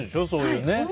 そういうね。